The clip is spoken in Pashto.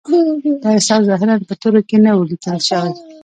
دا احساس ظاهراً په تورو کې نه و لیکل شوی